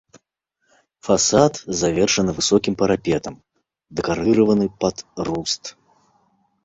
Фасад завершаны высокім парапетам, дэкарыраваны пад руст.